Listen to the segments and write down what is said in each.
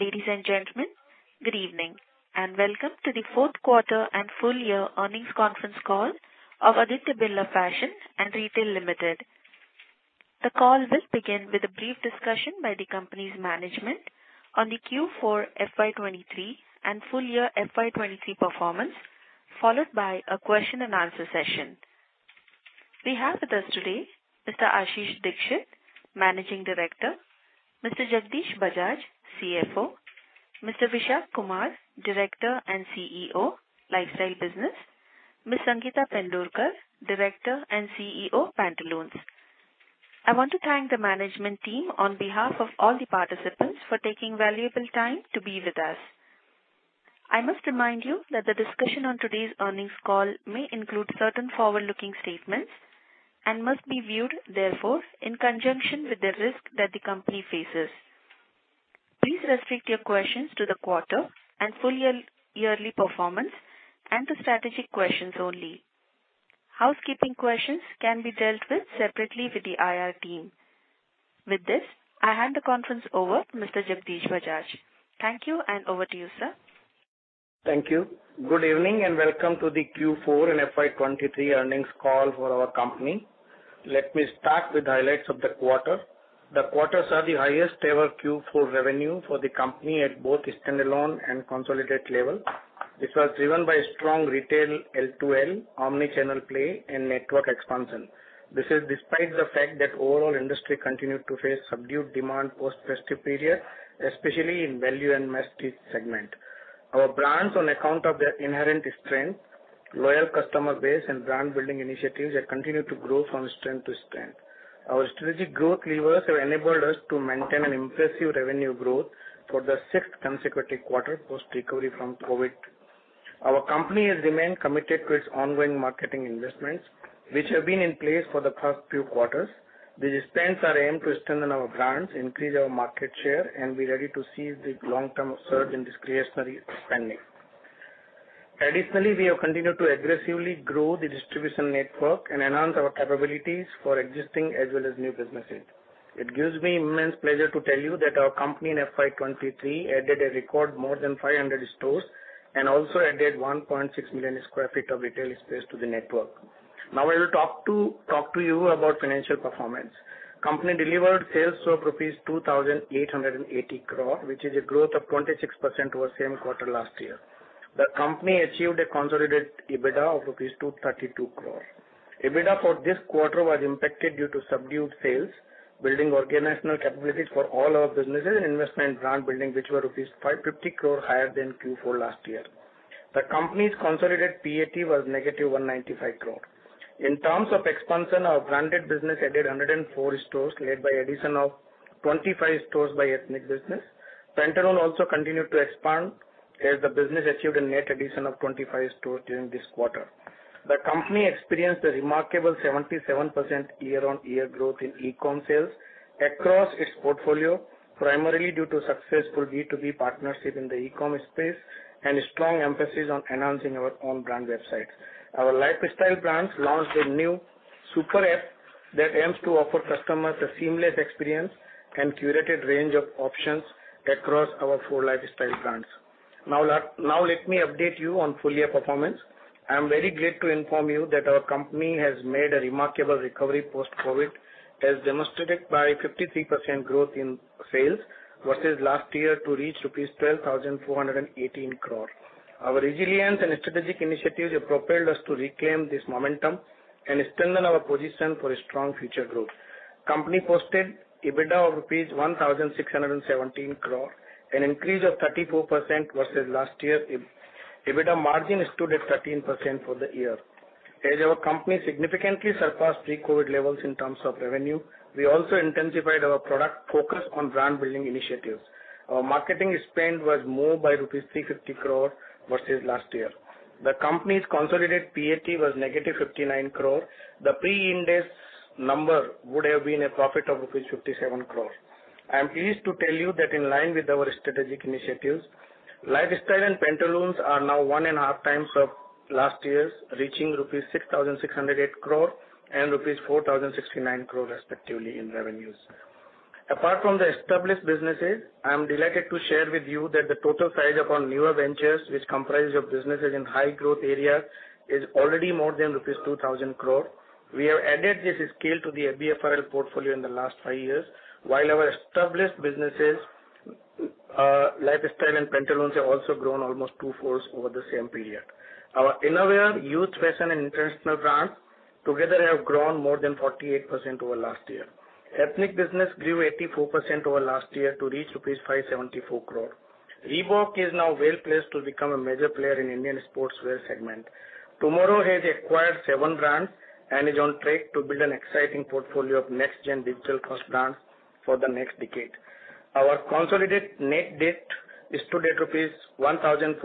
Ladies and gentlemen, good evening, and welcome to the fourth quarter and full year earnings conference call of Aditya Birla Fashion and Retail Limited. The call will begin with a brief discussion by the company's management on the Q4 FY23 and full year FY23 performance, followed by a question-and-answer session. We have with us today Mr. Ashish Dikshit, Managing Director; Mr. Jagdish Bajaj, CFO; Mr. Vishak Kumar, Director and CEO, Lifestyle Business; Ms. Sangeeta Pendurkar, Director and CEO, Pantaloons. I want to thank the management team on behalf of all the participants for taking valuable time to be with us. I must remind you that the discussion on today's earnings call may include certain forward-looking statements and must be viewed, therefore, in conjunction with the risk that the company faces. Please restrict your questions to the quarter and full year, yearly performance and to strategic questions only. Housekeeping questions can be dealt with separately with the IR team. With this, I hand the conference over to Mr. Jagdish Bajaj. Thank you and over to you, sir. Thank you. Good evening, welcome to the Q4 and FY 2023 earnings call for our company. Let me start with highlights of the quarter. The quarters are the highest ever Q4 revenue for the company at both standalone and consolidated level. This was driven by strong retail L2L, omni-channel play, and network expansion. This is despite the fact that overall industry continued to face subdued demand post festive period, especially in value and mass street segment. Our brands, on account of their inherent strength, loyal customer base, and brand building initiatives, have continued to grow from strength to strength. Our strategic growth levers have enabled us to maintain an impressive revenue growth for the sixth consecutive quarter, post-recovery from COVID. Our company has remained committed to its ongoing marketing investments, which have been in place for the first few quarters. The spends are aimed to strengthen our brands, increase our market share, and be ready to seize the long-term surge in discretionary spending. Additionally, we have continued to aggressively grow the distribution network and enhance our capabilities for existing as well as new businesses. It gives me immense pleasure to tell you that our company in FY23 added a record more than 500 stores and also added 1.6 million sq ft of retail space to the network. Now, I will talk to you about financial performance. Company delivered sales of rupees 2,880 crore, which is a growth of 26% over same quarter last year. The company achieved a consolidated EBITDA of 232 crore. EBITDA for this quarter was impacted due to subdued sales, building organizational capabilities for all our businesses and investment brand building, which were rupees 550 crore higher than Q4 last year. The company's consolidated PAT was negative 195 crore. In terms of expansion, our branded business added 104 stores led by addition of 25 stores by ethnic business. Pantaloons also continued to expand as the business achieved a net addition of 25 stores during this quarter. The company experienced a remarkable 77% year-on-year growth in e-com sales across its portfolio, primarily due to successful B2B partnership in the e-com space and a strong emphasis on enhancing our own brand websites. Our Lifestyle Brands launched a new Super App that aims to offer customers a seamless experience and curated range of options across our four Lifestyle Brands. Let me update you on full year performance. I am very glad to inform you that our company has made a remarkable recovery post-COVID, as demonstrated by 53% growth in sales versus last year to reach rupees 12,418 crore. Our resilience and strategic initiatives have propelled us to reclaim this momentum and strengthen our position for a strong future growth. Company posted EBITDA of INR 1,617 crore, an increase of 34% versus last year. EBITDA margin stood at 13% for the year. Our company significantly surpassed pre-COVID levels in terms of revenue, we also intensified our product focus on brand building initiatives. Our marketing spend was more by rupees 350 crore versus last year. The company's consolidated PAT was -59 crore. The pre-Ind AS number would have been a profit of rupees 57 crore. I am pleased to tell you that in line with our strategic initiatives, Lifestyle and Pantaloons are now one and a half times of last year's, reaching rupees 6,608 crore and rupees 4,069 crore, respectively, in revenues. Apart from the established businesses, I am delighted to share with you that the total size of our newer ventures, which comprise of businesses in high growth areas, is already more than rupees 2,000 crore. We have added this scale to the ABFRL portfolio in the last five years, while our established businesses, Lifestyle and Pantaloons, have also grown almost two-fourths over the same period. Our Innovia youth fashion and international brands together have grown more than 48% over last year. Ethnic business grew 84% over last year to reach rupees 574 crore. Reebok is now well placed to become a major player in Indian sportswear segment. TMRW has acquired 7 brands and is on track to build an exciting portfolio of next gen digital-first brands for the next decade. Our consolidated net debt stood at rupees 1,422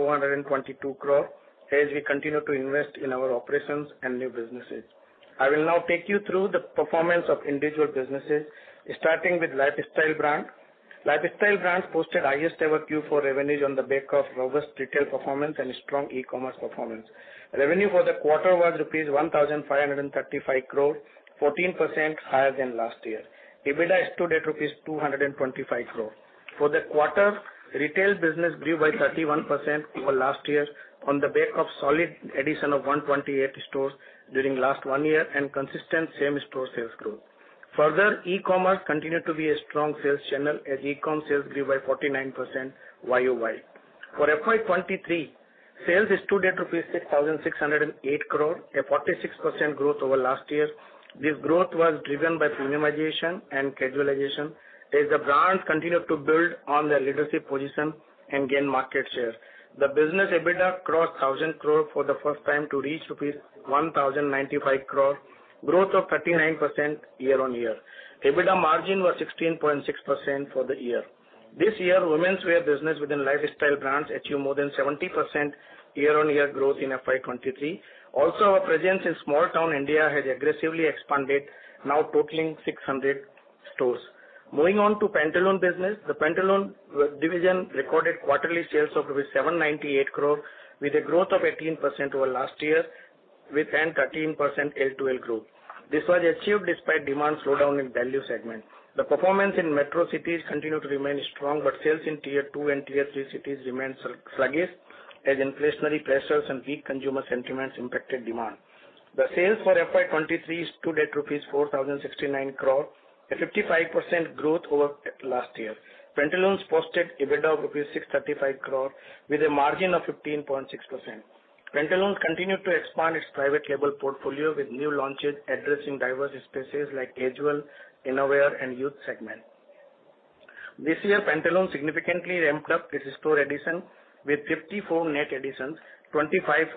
crore as we continue to invest in our operations and new businesses. I will now take you through the performance of individual businesses, starting with Lifestyle Brands. Lifestyle Brands posted highest ever Q4 revenues on the back of robust retail performance and strong e-commerce performance. Revenue for the quarter was rupees 1,535 crore, 14% higher than last year. EBITDA stood at rupees 225 crore. For the quarter, retail business grew by 31% over last year on the back of solid addition of 128 stores during last one year and consistent same-store sales growth. E-commerce continued to be a strong sales channel as e-com sales grew by 49% YoY. For FY23, sales stood at rupees 6,608 crore, a 46% growth over last year. This growth was driven by premiumization and casualization as the brands continued to build on their leadership position and gain market share. The business EBITDA crossed 1,000 crore for the first time to reach rupees 1,095 crore, growth of 39% year-on-year. EBITDA margin was 16.6% for the year. This year, womenswear business within Lifestyle Brands achieved more than 70% year-on-year growth in FY23. Our presence in small town India has aggressively expanded, now totaling 600 stores. Moving on to Pantaloons business. The Pantaloons division recorded quarterly sales of rupees 798 crore with a growth of 18% over last year with an 13% LTL growth. This was achieved despite demand slowdown in value segment. The performance in metro cities continued to remain strong, sales in Tier 2 and Tier 3 cities remained sluggish as inflationary pressures and weak consumer sentiments impacted demand. The sales for FY 2023 stood at INR 4,069 crore, a 55% growth over last year. Pantaloons posted EBITDA of INR 635 crore with a margin of 15.6%. Pantaloons continued to expand its private label portfolio with new launches addressing diverse spaces like casual, innerwear, and youth segment. This year, Pantaloons significantly ramped up its store addition with 54 net additions, 25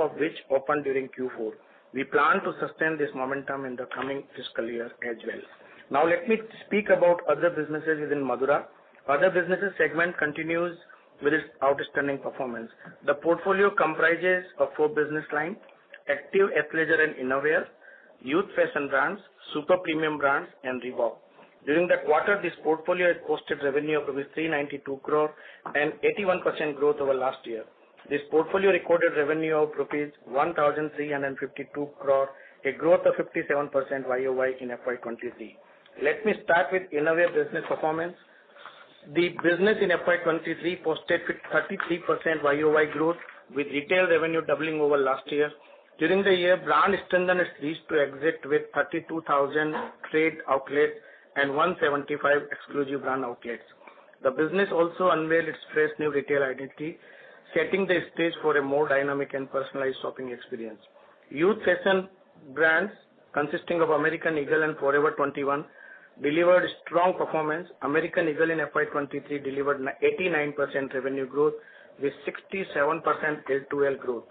of which opened during Q4. We plan to sustain this momentum in the coming fiscal year as well. Let me speak about other businesses within Madura. Other businesses segment continues with its outstanding performance. The portfolio comprises of four business lines: active athleisure and innerwear, youth fashion brands, super premium brands, and Reebok. During the quarter, this portfolio has posted revenue of rupees 392 crore and 81% growth over last year. This portfolio recorded revenue of rupees 1,352 crore, a growth of 57% YoY in FY23. Let me start with innerwear business performance. The business in FY23 posted 33% YoY growth with retail revenue doubling over last year. During the year, brand strengthened its reach to exit with 32,000 trade outlets and 175 exclusive brand outlets. The business also unveiled its fresh new retail identity, setting the stage for a more dynamic and personalized shopping experience. Youth fashion brands consisting of American Eagle and Forever 21 delivered strong performance. American Eagle in FY 2023 delivered 89% revenue growth with 67% LTL growth.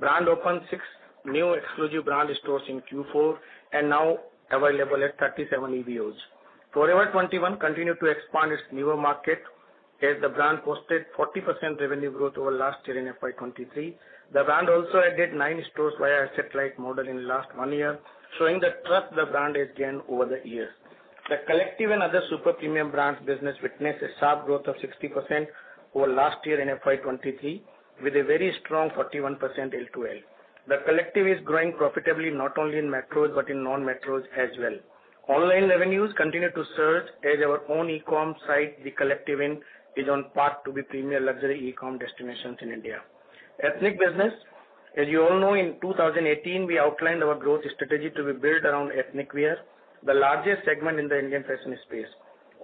Brand opened 6 new exclusive brand stores in Q4 and now available at 37 EBOs. Forever 21 continued to expand its newer market as the brand posted 40% revenue growth over last year in FY 2023. The brand also added 9 stores via a satellite model in last 1 year, showing the trust the brand has gained over the years. The Collective and other super premium brands business witnessed a sharp growth of 60% over last year in FY 2023 with a very strong 41% LTL. The Collective is growing profitably not only in metros, but in non-metros as well. Online revenues continued to surge as our own e-com site, thecollective.in, is on path to be premier luxury e-com destinations in India. Ethnic business. You all know, in 2018, we outlined our growth strategy to be built around ethnic wear, the largest segment in the Indian fashion space.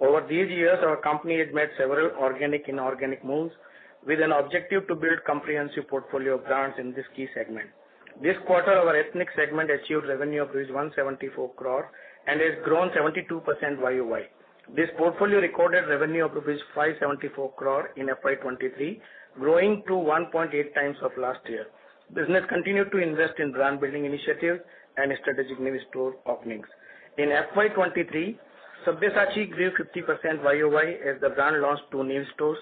Over these years, our company has made several organic, inorganic moves with an objective to build comprehensive portfolio of brands in this key segment. This quarter, our ethnic segment achieved revenue of rupees 174 crore and has grown 72% YoY. This portfolio recorded revenue of rupees 574 crore in FY 2023, growing to 1.8x of last year. Business continued to invest in brand building initiative and strategic new store openings. In FY 2023, Sabyasachi grew 50% YoY as the brand launched 2 new stores.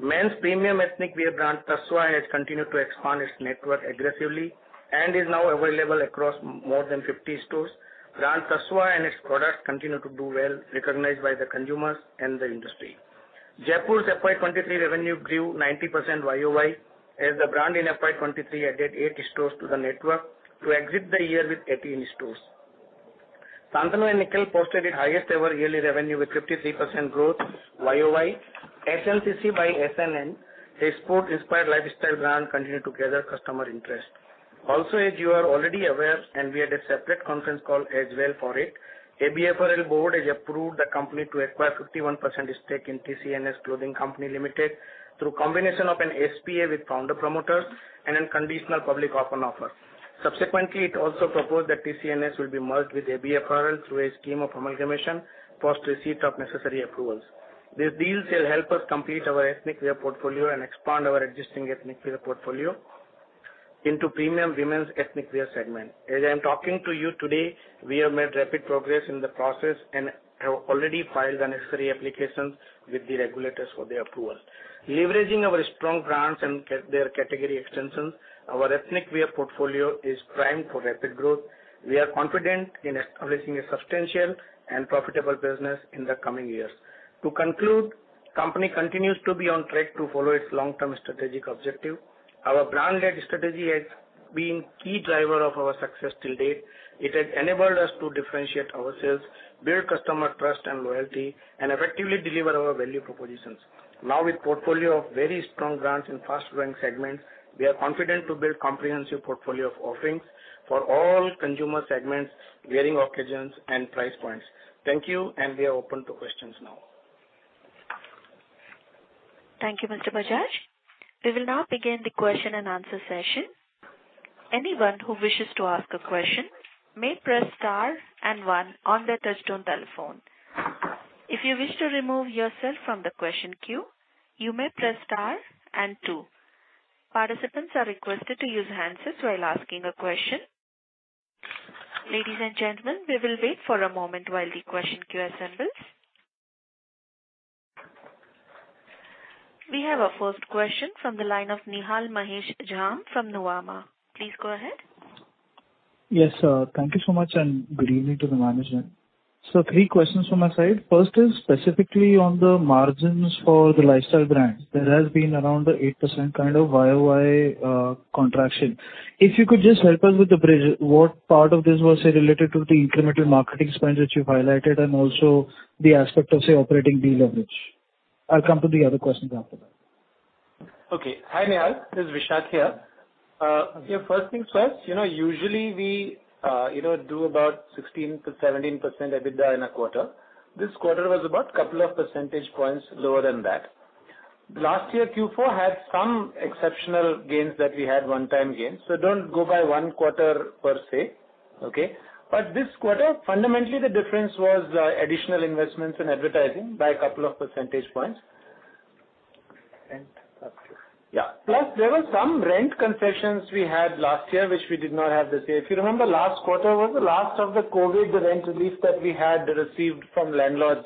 Men's premium ethnic wear brand Tasva has continued to expand its network aggressively and is now available across more than 50 stores. Brand Tasva and its products continue to do well, recognized by the consumers and the industry. Jaypore's FY 2023 revenue grew 90% YoY as the brand in FY 2023 added 8 stores to the network to exit the year with 18 stores. Shantanu & Nikhil posted its highest ever yearly revenue with 53% growth YoY. SNCC by S&N, a sport-inspired lifestyle brand, continued to gather customer interest. As you are already aware, and we had a separate conference call as well for it, AB Apparel board has approved the company to acquire 51% stake in TCNS Clothing Co. Limited through combination of an SPA with founder promoters and a conditional public offer. It also proposed that TCNS will be merged with AB Apparel through a scheme of amalgamation post receipt of necessary approvals. These deals will help us complete our ethnic wear portfolio and expand our existing ethnic wear portfolio into premium women's ethnic wear segment. As I'm talking to you today, we have made rapid progress in the process and have already filed the necessary applications with the regulators for their approval. Leveraging our strong brands and their category extensions, our ethnic wear portfolio is primed for rapid growth. We are confident in establishing a substantial and profitable business in the coming years. To conclude. Company continues to be on track to follow its long-term strategic objective. Our brand-led strategy has been key driver of our success till date. It has enabled us to differentiate ourselves, build customer trust and loyalty, and effectively deliver our value propositions. With portfolio of very strong brands in fast-growing segments, we are confident to build comprehensive portfolio of offerings for all consumer segments, varying occasions and price points. Thank you, we are open to questions now. Thank you, Mr. Bajaj. We will now begin the question-and-answer session. Anyone who wishes to ask a question may press star and one on their touchtone telephone. If you wish to remove yourself from the question queue, you may press star and two. Participants are requested to use handsets while asking a question. Ladies and gentlemen, we will wait for a moment while the question queue assembles. We have our first question from the line of Nihal Mahesh Jham from Nuvama. Please go ahead. Yes, sir. Thank you so much. Good evening to the management. Three questions from my side. First is specifically on the margins for the Lifestyle Brands. There has been around 8% kind of YoY contraction. If you could just help us with the bridge, what part of this was, say, related to the incremental marketing spend which you've highlighted and also the aspect of, say, operating deleverage. I'll come to the other questions after that. Okay. Hi, Nihal. This is Vishak here. Yeah, first things first, you know, usually we, you know, do about 16%-17% EBITDA in a quarter. This quarter was about couple of percentage points lower than that. Last year, Q4 had some exceptional gains that we had one-time gains. Don't go by 1 quarter per se. Okay? This quarter, fundamentally, the difference was, additional investments in advertising by a couple of percentage points. That's it. Yeah. Plus, there were some rent concessions we had last year, which we did not have this year. If you remember, last quarter was the last of the COVID rent relief that we had received from landlords,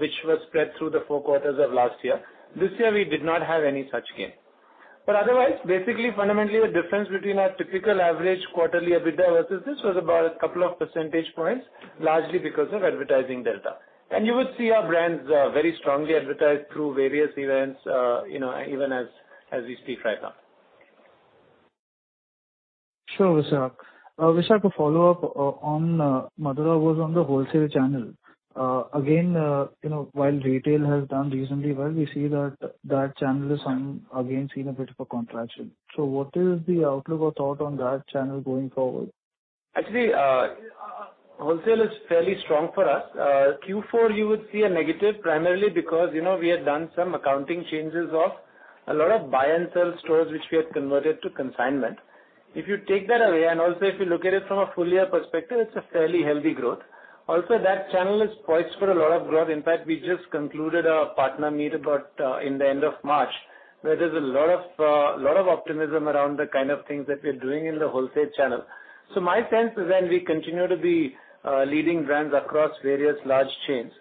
which was spread through the 4 quarters of last year. This year, we did not have any such gain. Otherwise, basically, fundamentally, the difference between our typical average quarterly EBITDA versus this was about 2% points, largely because of advertising delta. You would see our brands, very strongly advertised through various events, you know, even as we speak right now. Sure, Vishak. Vishak, a follow-up on Madura was on the wholesale channel. You know, while retail has done reasonably well, we see that that channel is again, seeing a bit of a contraction. What is the outlook or thought on that channel going forward? Actually, wholesale is fairly strong for us. Q4 you would see a negative primarily because, you know, we had done some accounting changes of a lot of buy and sell stores which we had converted to consignment. If you take that away, if you look at it from a full year perspective, it's a fairly healthy growth. That channel is poised for a lot of growth. In fact, we just concluded a partner meet about in the end of March. There is a lot of optimism around the kind of things that we're doing in the wholesale channel. My sense is then we continue to be leading brands across various large chains.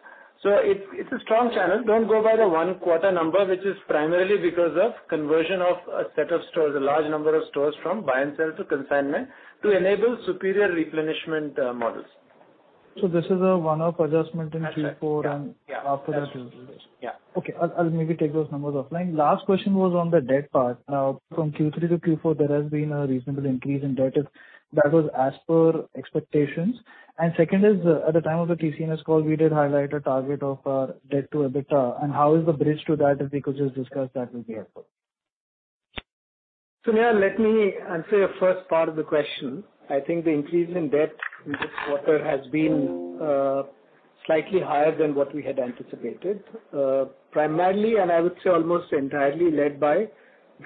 It's a strong channel. Don't go by the one quarter number, which is primarily because of conversion of a set of stores, a large number of stores from buy and sell to consignment to enable superior replenishment, models. This is a one-off adjustment in Q4. That's it. Yeah. After that it will release. Yeah. Okay. I'll maybe take those numbers offline. Last question was on the debt part. From Q3 to Q4, there has been a reasonable increase in debt. If that was as per expectations? Second is, at the time of the TCNS call, we did highlight a target of debt to EBITDA, and how is the bridge to that? If we could just discuss that would be helpful. Nihal, let me answer your first part of the question. I think the increase in debt this quarter has been slightly higher than what we had anticipated. Primarily, and I would say almost entirely led by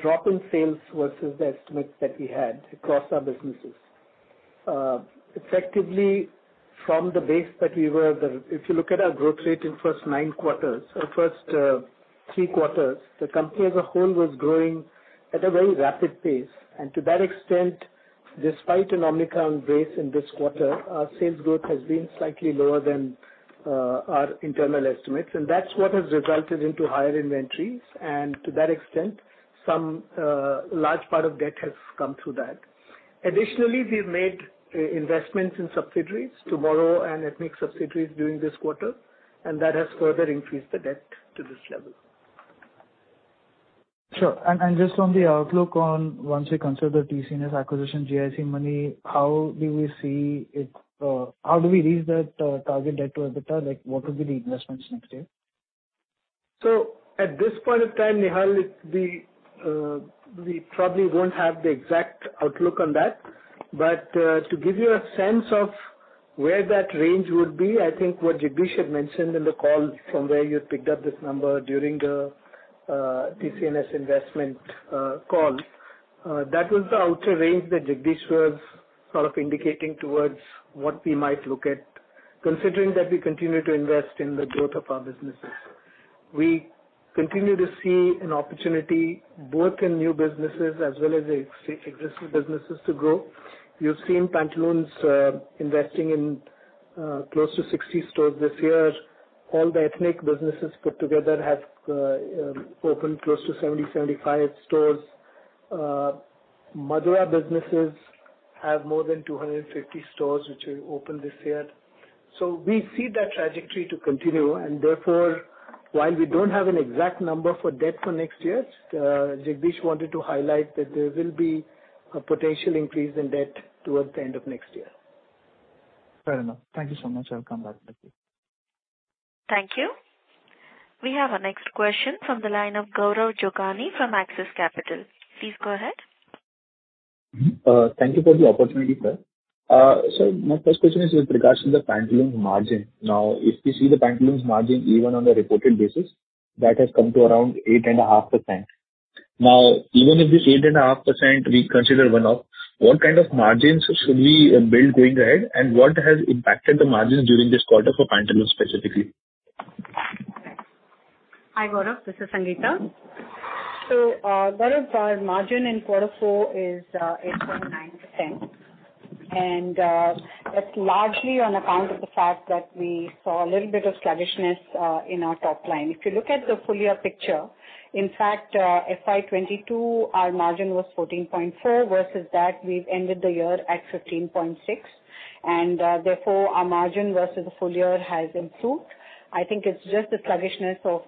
drop in sales versus the estimates that we had across our businesses. Effectively, from the base that we were, if you look at our growth rate in first nine quarters or first three quarters, the company as a whole was growing at a very rapid pace. To that extent, despite an omnichannel base in this quarter, our sales growth has been slightly lower than our internal estimates, and that's what has resulted into higher inventories, and to that extent, some large part of debt has come through that. We've made investments in subsidiaries, TMRW and ethnic subsidiaries during this quarter, and that has further increased the debt to this level. Sure. Just on the outlook on once we consider TCNS acquisition, GIC money, how do we see it, how do we reach that target debt to EBITDA? Like, what would be the investments next year? At this point of time, Nihal, we probably won't have the exact outlook on that. To give you a sense of where that range would be, I think what Jagdish had mentioned in the call from where you picked up this number during the TCNS investment call, that was the outer range that Jagdish was sort of indicating towards what we might look at, considering that we continue to invest in the growth of our businesses. We continue to see an opportunity both in new businesses as well as existing businesses to grow. You've seen Pantaloons investing in close to 60 stores this year. All the ethnic businesses put together have opened close to 70-75 stores. Madura businesses have more than 250 stores which will open this year. We see that trajectory to continue and therefore, while we don't have an exact number for debt for next year, Jagdish wanted to highlight that there will be a potential increase in debt towards the end of next year. Fair enough. Thank you so much. I'll come back. Thank you. Thank you. We have our next question from the line of Gaurav Jogani from Axis Capital. Please go ahead. Thank you for the opportunity, sir. My first question is with regards to the Pantaloons margin. Now, if we see the Pantaloons margin, even on the reported basis, that has come to around 8.5%. Now, even if this 8.5% we consider one-off, what kind of margins should we build going ahead? What has impacted the margins during this quarter for Pantaloons specifically? Hi, Gaurav, this is Sangeeta. Gaurav, our margin in Q4 is 8.9%. That's largely on account of the fact that we saw a little bit of sluggishness in our top line. If you look at the full year picture, in fact, FY22, our margin was 14.4% versus that we've ended the year at 15.6%. Therefore, our margin versus the full year has improved. I think it's just the sluggishness of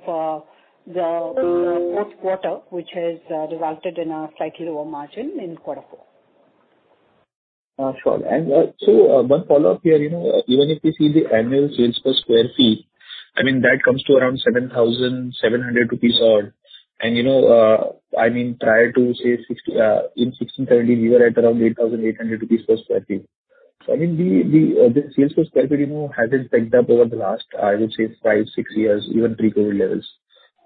Q4, which has resulted in a slightly lower margin in Q4. Sure. 1 follow-up here. You know, even if we see the annual sales per square feet, I mean, that comes to around 7,700 rupees odd. You know, I mean, prior to, say, 60, in 1630 we were at around 8,800 rupees per square feet. I mean, the sales per square feet, you know, hasn't picked up over the last, I would say 5, 6 years, even pre-COVID levels.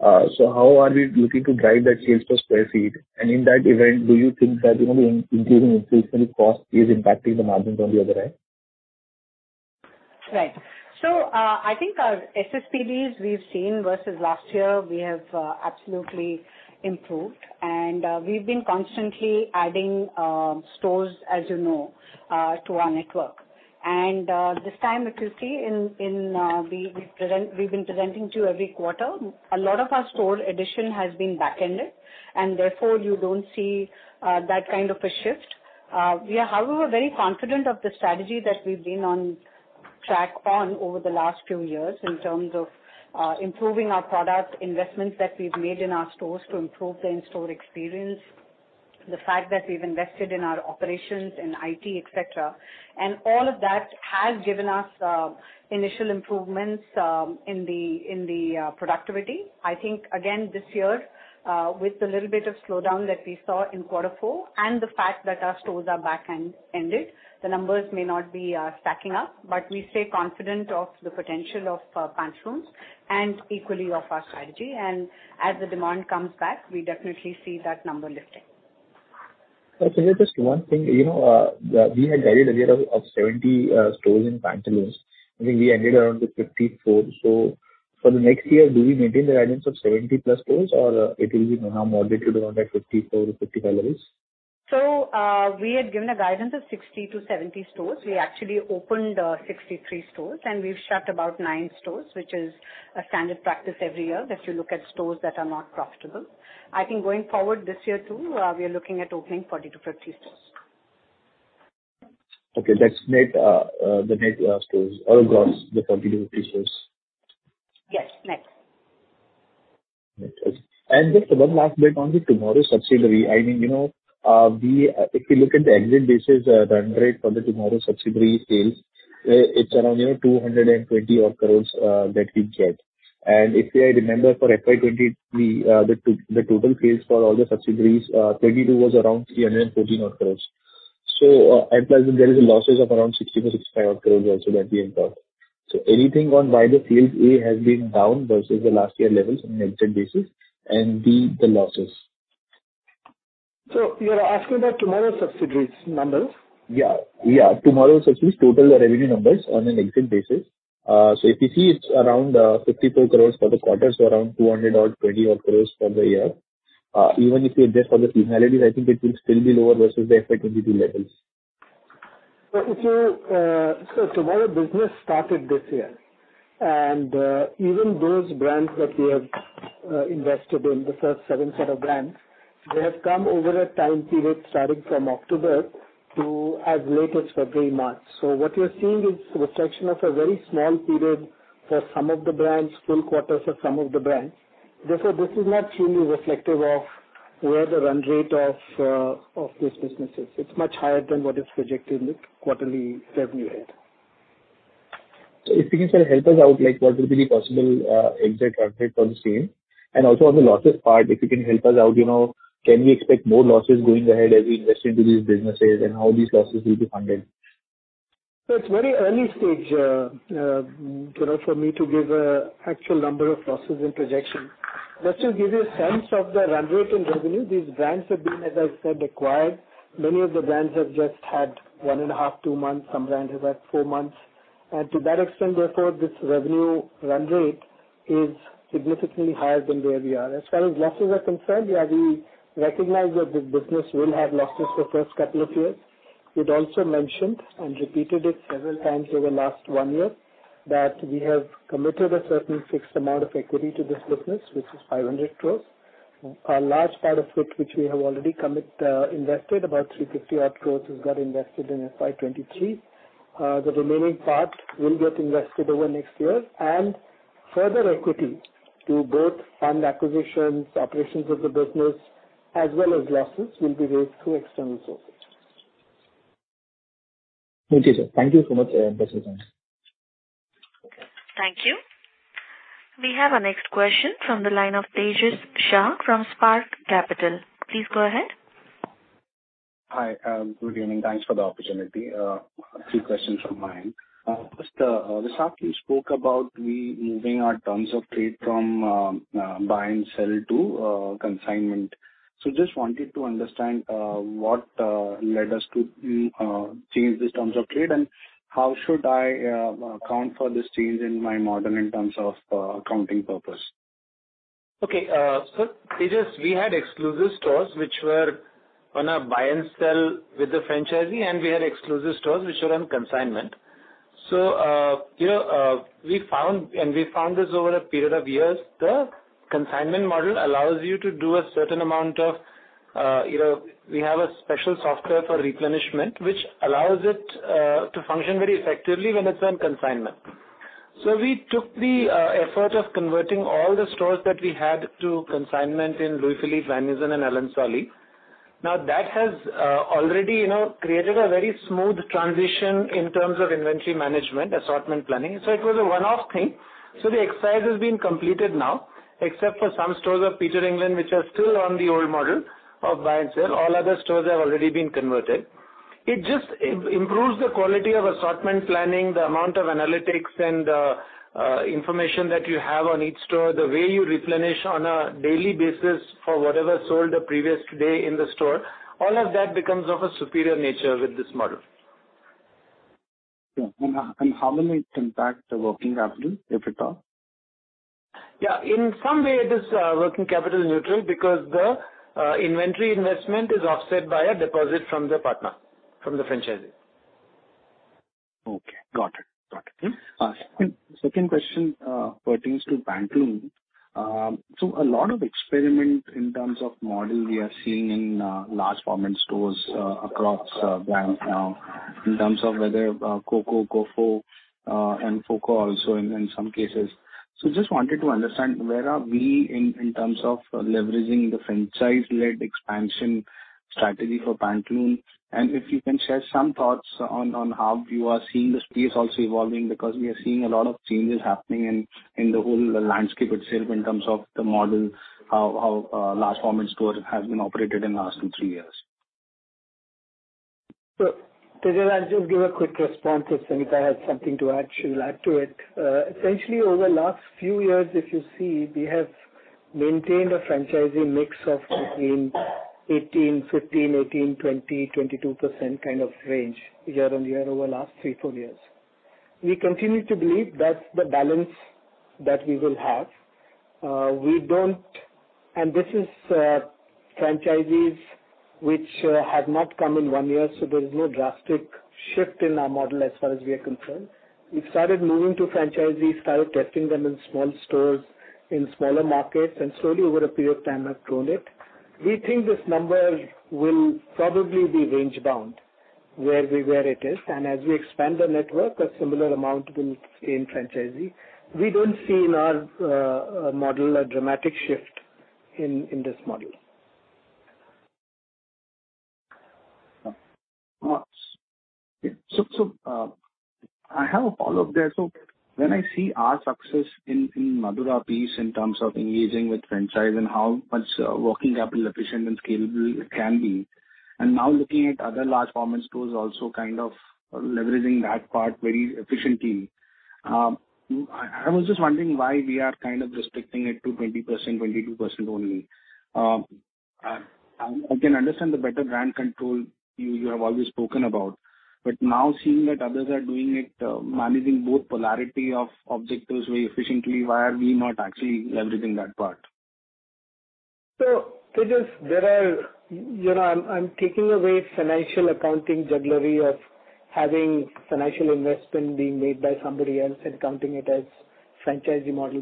How are we looking to drive that sales per square feet? In that event, do you think that, you know, increasing inflationary cost is impacting the margins on the other end? Right. I think our SSPDs we've seen versus last year we have absolutely improved. We've been constantly adding stores, as you know, to our network. This time if you see, we've been presenting to you every quarter, a lot of our store addition has been back-ended and therefore you don't see that kind of a shift. We are, however, very confident of the strategy that we've been on track on over the last few years in terms of improving our product investments that we've made in our stores to improve the in-store experience. The fact that we've invested in our operations, in IT, et cetera. All of that has given us initial improvements in the productivity. I think, again, this year, with the little bit of slowdown that we saw in quarter four and the fact that our stores are back-end ended, the numbers may not be stacking up, but we stay confident of the potential of Pantaloons and equally of our strategy. As the demand comes back, we definitely see that number lifting. Okay. Just one thing. You know, we had guided a bit of 70 stores in Pantaloons. I think we ended around the 54. For the next year, do we maintain the guidance of 70+ stores or it will be more moderated around that 54-55 range? We had given a guidance of 60-70 stores. We actually opened 63 stores, and we've shut about nine stores, which is a standard practice every year that you look at stores that are not profitable. I think going forward this year too, we are looking at opening 40-50 stores. That's net, the net stores or gross the 40-50 stores? Yes, net. Net. Just one last bit on the TMRW subsidiary. I mean, you know, if you look at the exit basis, the run rate for the TMRW subsidiary sales, it's around, you know, 220 odd crores that we've get. If I remember for FY 2023, the total sales for all the subsidiaries, 22 was around 314 odd crores. At present there is a losses of around 60-65 odd crores also that we incurred. Anything on why the sales, A, has been down versus the last year levels on an exit basis and B, the losses? You're asking about TMRW subsidiaries numbers? Yeah, yeah. TMRW subsidiaries total revenue numbers on an exit basis. If you see it's around 54 crores for the quarter, around 220 odd crores for the year. Even if you adjust for the seasonality, I think it will still be lower versus the FY22 levels. If you, TMRW business started this year. Even those brands that we have invested in, the first seven set of brands, they have come over a time period starting from October to as late as February month. What you're seeing is reflection of a very small period for some of the brands, full quarters for some of the brands. Therefore, this is not truly reflective of where the run rate of this business is. It's much higher than what is projected in the quarterly revenue guide. If you can, sir, help us out, like what will be the possible exit run rate for the same? Also on the losses part, if you can help us out, you know, can we expect more losses going ahead as we invest into these businesses and how these losses will be funded? It's very early stage for me to give a actual number of losses and projection. Just to give you a sense of the run rate in revenue, these brands have been, as I said, acquired. Many of the brands have just had 1.5, 2 months. Some brands have had 4 months. To that extent, therefore, this revenue run rate is significantly higher than where we are. Far as losses are concerned, yeah, we recognize that this business will have losses for first couple of years. We'd also mentioned and repeated it several times over last one year, that we have committed a certain fixed amount of equity to this business, which is 500 crore. A large part of it which we have already committed, invested about 350 odd crore has got invested in FY23. The remaining part will get invested over next year and further equity to both fund acquisitions, operations of the business, as well as losses will be raised through external sources. Okay, sir. Thank you so much. Thank you. We have our next question from the line of Tejas Shah from Spark Capital. Please go ahead. Hi. Good evening. Thanks for the opportunity. A few questions from my end. First, Vishak, you spoke about we moving our terms of trade from buy and sell to consignment. Just wanted to understand what led us to change these terms of trade, and how should I account for this change in my model in terms of accounting purpose? Okay. Tejas, we had exclusive stores which were on a buy and sell with the franchisee, and we had exclusive stores which were on consignment. You know, we found this over a period of years, the consignment model allows you to do a certain amount of, you know, we have a special software for replenishment, which allows it to function very effectively when it's on consignment. We took the effort of converting all the stores that we had to consignment in Louis Philippe, Van Heusen and Allen Solly. That has already, you know, created a very smooth transition in terms of inventory management, assortment planning. It was a one-off thing. The exercise has been completed now, except for some stores of Peter England, which are still on the old model of buy and sell. All other stores have already been converted. It just improves the quality of assortment planning, the amount of analytics and information that you have on each store, the way you replenish on a daily basis for whatever sold the previous day in the store, all of that becomes of a superior nature with this model. Yeah. How will it impact the working capital, if at all? Yeah. In some way it is, working capital neutral because the inventory investment is offset by a deposit from the partner, from the franchisee. Okay. Got it. Got it. Second question pertains to Pantaloons. A lot of experiment in terms of model we are seeing in large format stores across brands now in terms of whether COCO, FOFO, and FOCO also in some cases. Just wanted to understand where are we in terms of leveraging the franchise-led expansion strategy for Pantaloons, and if you can share some thoughts on how you are seeing the space also evolving, because we are seeing a lot of changes happening in the whole landscape itself in terms of the model, how large format stores have been operated in the last 2, 3 years. Tejas, I'll just give a quick response, if Sunita has something to add, she'll add to it. Essentially over the last few years, if you see, we have maintained a franchisee mix of between 18, 15, 18, 20, 22% kind of range year-on-year over the last 3, 4 years. We continue to believe that's the balance that we will have. This is franchisees which have not come in 1 year, there is no drastic shift in our model as far as we are concerned. We started moving to franchisees, started testing them in small stores in smaller markets, and slowly over a period of time have grown it. We think this number will probably be range-bound where we were it is, and as we expand the network, a similar amount will stay in franchisee. We don't see in our model a dramatic shift in this model. Okay. I have a follow-up there. When I see our success in Madura piece in terms of engaging with franchise and how much working capital efficient and scalable it can be, and now looking at other large format stores also kind of leveraging that part very efficiently, I was just wondering why we are kind of restricting it to 20%, 22% only. I can understand the better brand control you have always spoken about, but now seeing that others are doing it, managing both polarity of objectives very efficiently, why are we not actually leveraging that part? Tejas, You know, I'm taking away financial accounting jugglery of having financial investment being made by somebody else and counting it as franchisee model.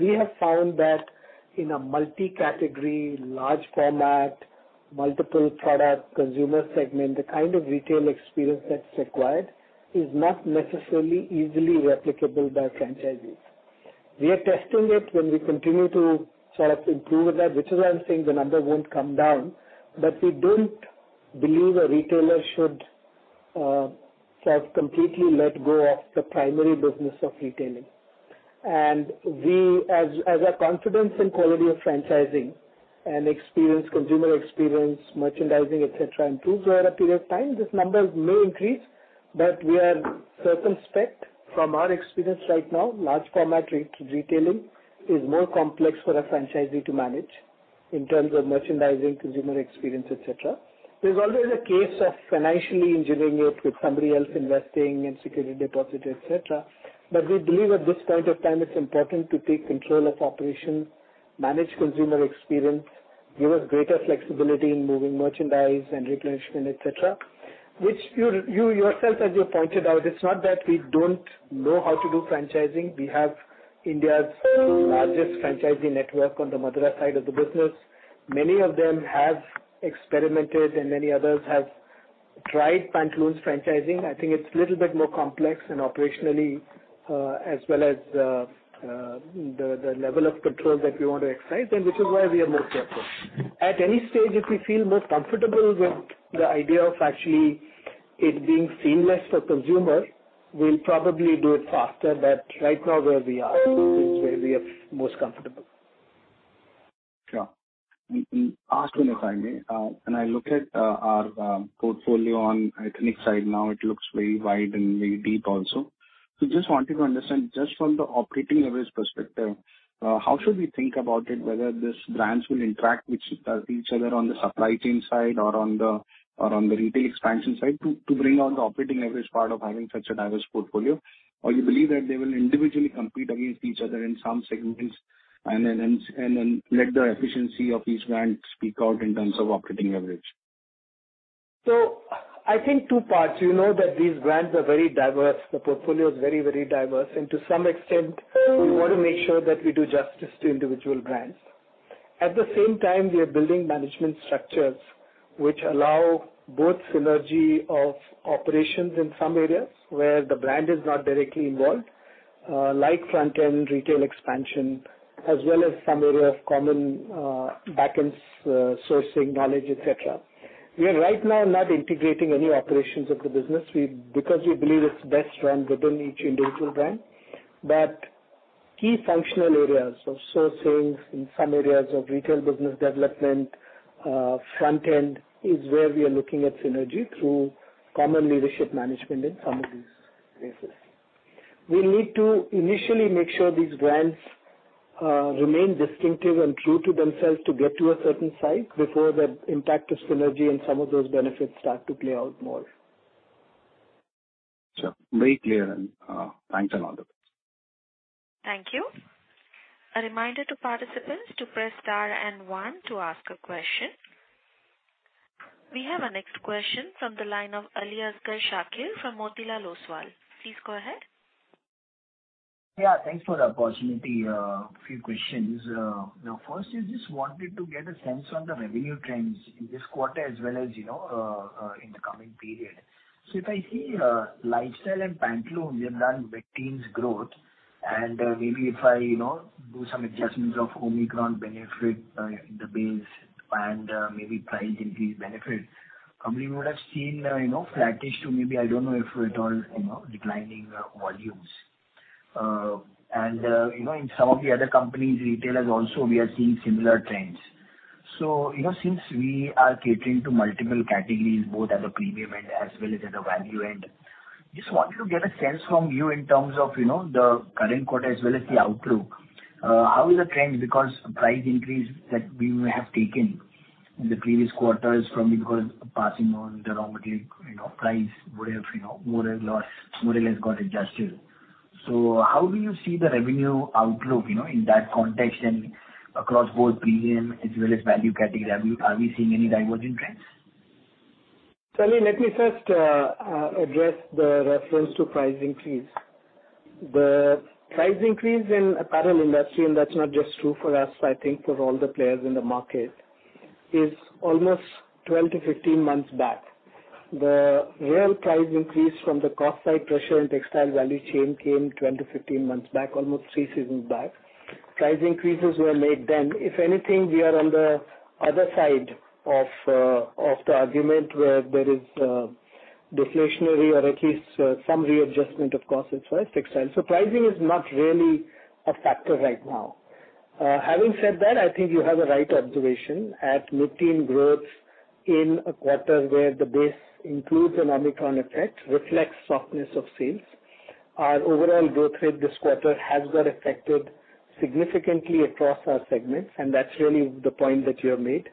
We have found that in a multi-category, large format, multiple product consumer segment, the kind of retail experience that's required is not necessarily easily replicable by franchisees. We are testing it when we continue to sort of improve that, which is why I'm saying the number won't come down. We don't believe a retailer should sort of completely let go of the primary business of retailing. As our confidence in quality of franchising and experience, consumer experience, merchandising, et cetera, improves over a period of time, these numbers may increase. We are circumspect from our experience right now, large format retailing is more complex for a franchisee to manage in terms of merchandising, consumer experience, et cetera. There's always a case of financially engineering it with somebody else investing in security deposit, et cetera. We believe at this point of time it's important to take control of operations, manage consumer experience, give us greater flexibility in moving merchandise and replenishment, et cetera. You yourself, as you pointed out, it's not that we don't know how to do franchising. We have India's largest franchising network on the Madura side of the business. Many of them have experimented and many others have tried Pantaloons franchising. I think it's little bit more complex and operationally, as well as, the level of control that we want to exercise, which is why we are more careful. At any stage, if we feel more comfortable with the idea of actually it being seamless for consumer, we'll probably do it faster. Right now where we are is where we are most comfortable. Sure. Last one, if I may. When I look at our portfolio on ethnic side now, it looks very wide and very deep also. Just wanted to understand, just from the operating leverage perspective, how should we think about it, whether these brands will interact with each other on the supply chain side or on the retail expansion side to bring out the operating leverage part of having such a diverse portfolio? You believe that they will individually compete against each other in some segments and then let the efficiency of each brand speak out in terms of operating leverage? I think two parts. You know that these brands are very diverse. The portfolio is very, very diverse. To some extent, we want to make sure that we do justice to individual brands. At the same time, we are building management structures which allow both synergy of operations in some areas where the brand is not directly involved, like front-end retail expansion, as well as some area of common, back-end sourcing knowledge, et cetera. We are right now not integrating any operations of the business. Because we believe it's best run within each individual brand. Key functional areas of sourcing in some areas of retail business development, front end is where we are looking at synergy through common leadership management in some of these spaces. We need to initially make sure these brands, remain distinctive and true to themselves to get to a certain size before the impact of synergy and some of those benefits start to play out more. Sure. Very clear. Thanks a lot. Thank you. A reminder to participants to press star and one to ask a question. We have our next question from the line of Aliasger Shakir from Motilal Oswal. Please go ahead. Yeah, thanks for the opportunity. A few questions. Now, first, I just wanted to get a sense on the revenue trends in this quarter as well as, you know, in the coming period. If I see, Lifestyle and Pantaloons, you've done mid-teens growth, maybe if I, you know, do some adjustments of Omicron benefit, the base and maybe price increase benefit, probably would have seen, you know, flattish to maybe, I don't know if at all, you know, declining, volumes. You know, in some of the other companies, retailers also, we are seeing similar trends. You know, since we are catering to multiple categories, both at the premium end as well as at the value end, just wanted to get a sense from you in terms of, you know, the current quarter as well as the outlook. How is the trend? Because price increase that we may have taken in the previous quarters from, because passing on the raw material, you know, price would have, you know, more or less got adjusted. How do you see the revenue outlook, you know, in that context and across both premium as well as value category? Are we seeing any divergent trends? Ali, let me first address the reference to price increase. The price increase in apparel industry, that's not just true for us, I think for all the players in the market, is almost 12 to 15 months back. The real price increase from the cost side pressure and textile value chain came 12 to 15 months back, almost 3 seasons back. Price increases were made then. If anything, we are on the other side of the argument where there is deflationary or at least some readjustment of costs itself, textile. Pricing is not really a factor right now. Having said that, I think you have a right observation. At mid-teen growth in a quarter where the base includes an Omicron effect reflects softness of sales. Our overall growth rate this quarter has got affected significantly across our segments, that's really the point that you have made.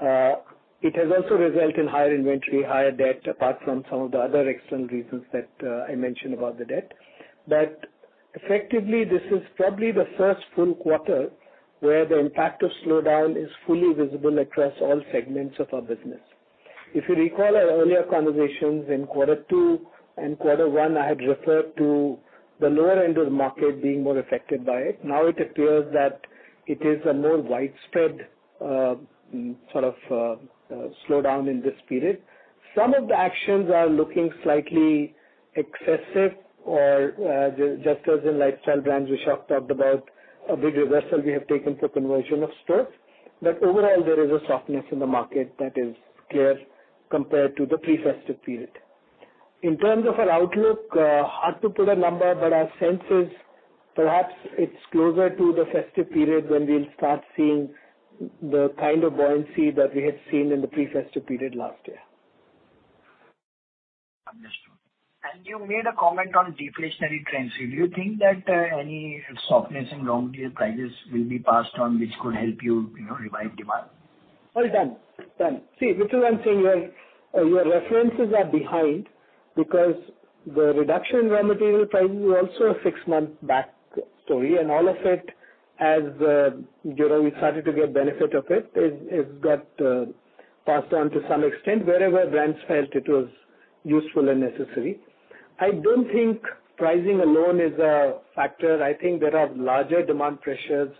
It has also resulted in higher inventory, higher debt, apart from some of the other external reasons that I mentioned about the debt. Effectively, this is probably the first full quarter where the impact of slowdown is fully visible across all segments of our business. If you recall our earlier conversations in quarter two and quarter one, I had referred to the lower end of the market being more affected by it. It appears that it is a more widespread, sort of, slowdown in this period. Some of the actions are looking slightly excessive or, just as in Lifestyle Brands, Vishal talked about a big reversal we have taken for conversion of stores. Overall, there is a softness in the market that is clear compared to the pre-festive period. In terms of our outlook, hard to put a number, but our sense is perhaps it's closer to the festive period when we'll start seeing the kind of buoyancy that we had seen in the pre-festive period last year. Understood. You made a comment on deflationary trends. Do you think that any softness in raw material prices will be passed on, which could help you know, revive demand? Well done. Done. This is what I'm saying, your references are behind because the reduction in raw material prices is also a 6-month back story, all of it. As you know, we started to get benefit of it got passed on to some extent wherever brands felt it was useful and necessary. I don't think pricing alone is a factor. I think there are larger demand pressures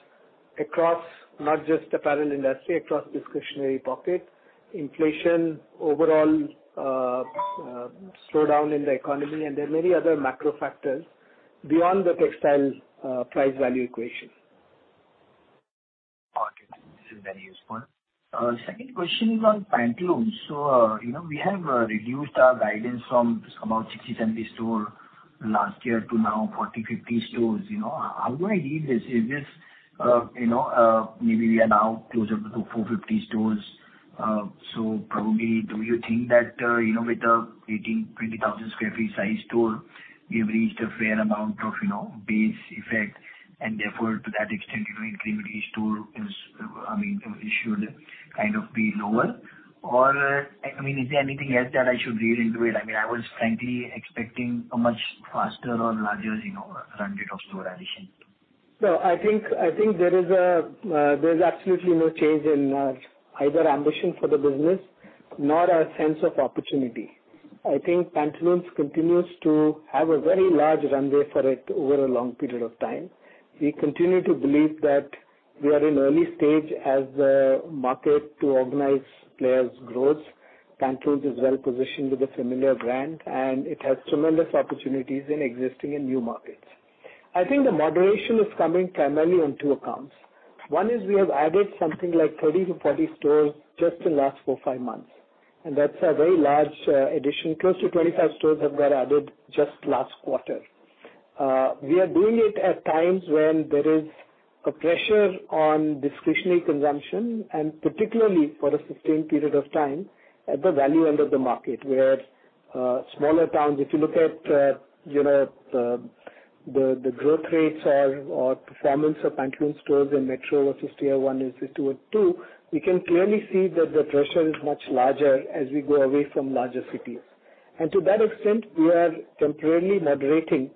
across not just apparel industry, across discretionary pocket, inflation, overall slowdown in the economy. There are many other macro factors beyond the textile price value equation. Got it. This is very useful. Second question is on Pantaloons. You know, we have reduced our guidance from about 60-70 stores last year to now 40-50 stores. You know, how do I read this? Is this, you know, maybe we are now closer to 450 stores? Probably do you think that, you know, with a 18,000-20,000 sq ft size store, we have reached a fair amount of, you know, base effect and therefore to that extent, you know, incremental store is, I mean, it should kind of be lower? I mean, is there anything else that I should read into it? I mean, I was frankly expecting a much faster or larger, you know, run rate of store addition. I think there's absolutely no change in either ambition for the business, nor our sense of opportunity. I think Pantaloons continues to have a very large runway for it over a long period of time. We continue to believe that we are in early stage as a market to organize players' growth. Pantaloons is well positioned with a familiar brand, and it has tremendous opportunities in existing and new markets. I think the moderation is coming primarily on two accounts. One is we have added something like 30-40 stores just in the last 4, 5 months, and that's a very large addition. Close to 25 stores have got added just last quarter. We are doing it at times when there is a pressure on discretionary consumption, particularly for a sustained period of time at the value end of the market, where smaller towns, if you look at, you know, the growth rates or performance of Pantaloons stores in metro or 51 and 52 or 2, we can clearly see that the pressure is much larger as we go away from larger cities. To that extent, we are temporarily moderating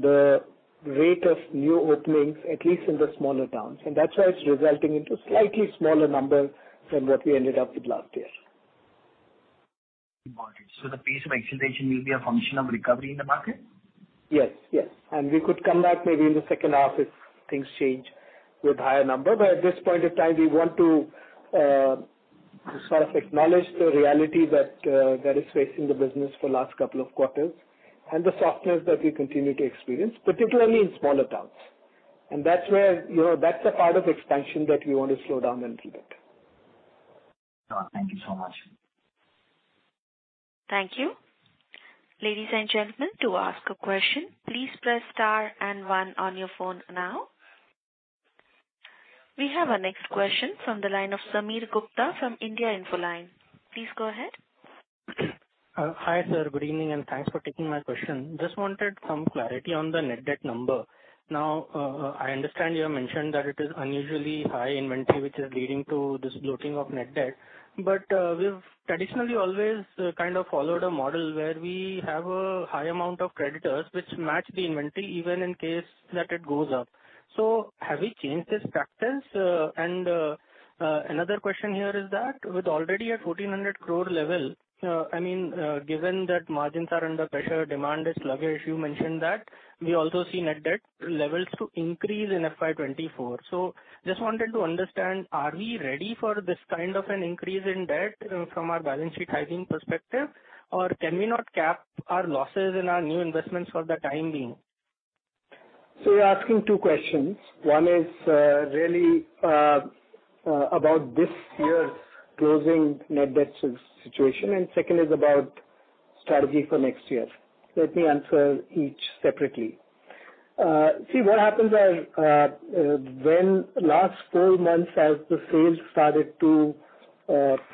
the rate of new openings, at least in the smaller towns. That's why it's resulting into slightly smaller numbers than what we ended up with last year. Got it. The pace of acceleration will be a function of recovery in the market? Yes. Yes. We could come back maybe in the second half if things change with higher number. At this point in time, we want to sort of acknowledge the reality that that is facing the business for last couple of quarters and the softness that we continue to experience, particularly in smaller towns. That's where, you know, that's the part of expansion that we want to slow down a little bit. Thank you so much. Thank you. Ladies and gentlemen, to ask a question, please press star and one on your phone now. We have our next question from the line of Sameer Gupta from India Infoline. Please go ahead. Hi, sir. Good evening, and thanks for taking my question. Just wanted some clarity on the net debt number. I understand you have mentioned that it is unusually high inventory which is leading to this bloating of net debt. We've traditionally always kind of followed a model where we have a high amount of creditors which match the inventory even in case that it goes up. Have we changed this practice? Another question here is that with already an 1,400 crore level, I mean, given that margins are under pressure, demand is sluggish, you mentioned that, we also see net debt levels to increase in FY 24. Just wanted to understand, are we ready for this kind of an increase in debt from our balance sheet hygiene perspective, or can we not cap our losses in our new investments for the time being? You're asking two questions. One is really about this year's closing net debt situation, second is about strategy for next year. Let me answer each separately. See, what happens are when last four months as the sales started to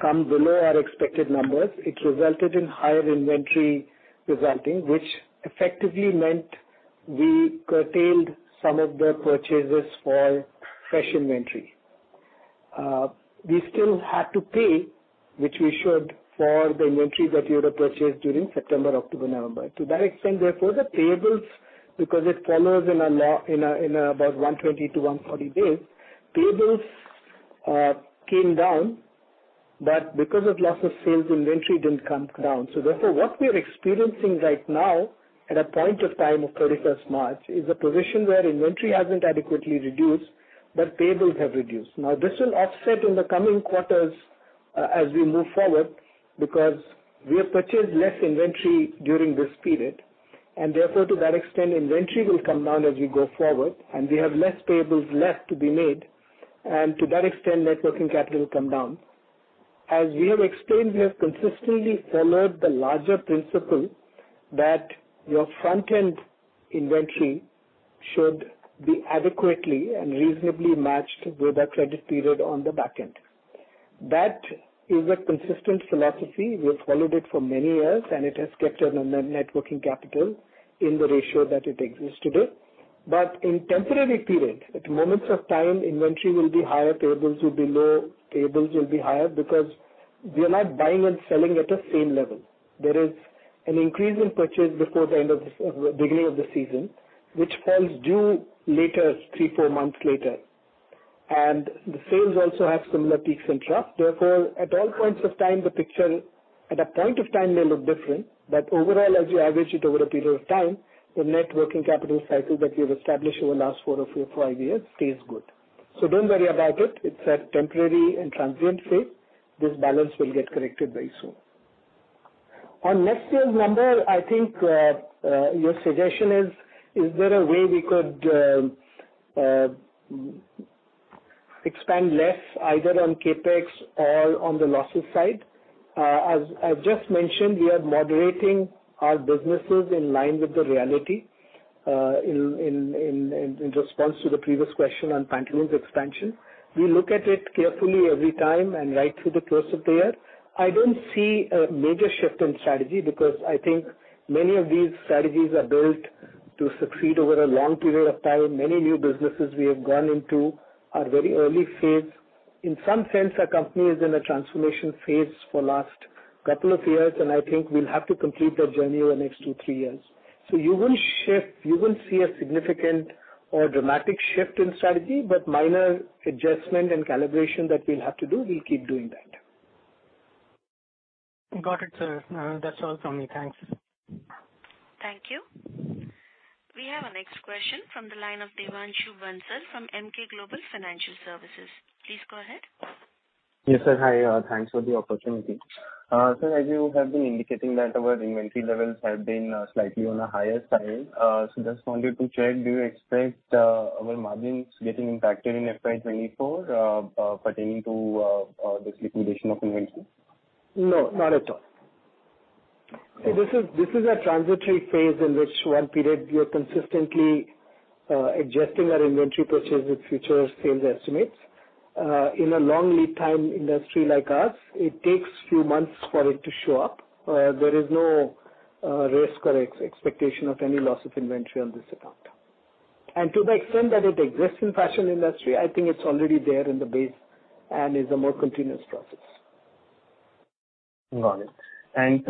come below our expected numbers, it resulted in higher inventory resulting, which effectively meant we curtailed some of the purchases for fresh inventory. We still had to pay, which we should, for the inventory that we would have purchased during September, October, November. To that extent, therefore, the payables, because it follows in a, in about 120-140 days, payables came down, because of loss of sales, inventory didn't come down. Therefore, what we are experiencing right now at a point of time of 31st March is a position where inventory hasn't adequately reduced, but payables have reduced. This will offset in the coming quarters, as we move forward because we have purchased less inventory during this period, and therefore to that extent, inventory will come down as we go forward and we have less payables left to be made, and to that extent, net working capital will come down. As we have explained, we have consistently followed the larger principle that your front-end inventory should be adequately and reasonably matched with the credit period on the back end. That is a consistent philosophy. We've followed it for many years, and it has kept our net working capital in the ratio that it exists today. In temporary periods, at moments of time, inventory will be higher, payables will be low, payables will be higher because we are not buying and selling at the same level. There is an increase in purchase before the end of the beginning of the season, which falls due later, three, four months later. The sales also have similar peaks and troughs. Therefore, at all points of time, the picture at a point of time may look different. Overall, as you average it over a period of time, the net working capital cycle that we have established over the last four or four, five years stays good. Don't worry about it. It's a temporary and transient phase. This balance will get corrected very soon. On next year's number, I think, your suggestion is there a way we could expand less either on CapEx or on the losses side? As I've just mentioned, we are moderating our businesses in line with the reality, in response to the previous question on Pantaloons expansion. We look at it carefully every time and right through the close of the year. I don't see a major shift in strategy because I think many of these strategies are built to succeed over a long period of time. Many new businesses we have gone into are very early phase. In some sense, our company is in a transformation phase for last couple of years, and I think we'll have to complete that journey over the next 2, 3 years. You won't shift... You won't see a significant or dramatic shift in strategy, but minor adjustment and calibration that we'll have to do, we'll keep doing that. Got it, sir. That's all from me. Thanks. Thank you. We have our next question from the line of Devanshu Bansal from Emkay Global Financial Services. Please go ahead. Yes, sir. Hi, thanks for the opportunity. Sir, as you have been indicating that our inventory levels have been slightly on a higher side, just wanted to check, do you expect our margins getting impacted in FY 2024, pertaining to this liquidation of inventory? No, not at all. This is a transitory phase in which one period we are consistently adjusting our inventory purchase with future sales estimates. In a long lead time industry like ours, it takes few months for it to show up. There is no risk or expectation of any loss of inventory on this account. To the extent that it exists in fashion industry, I think it's already there in the base and is a more continuous process. Got it. Since,